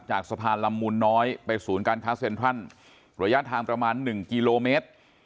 จากสะพานลำมูลน้อยไปศูนย์การค้าเซ็นทรัลระยะทางประมาณ๑กิโลเมตร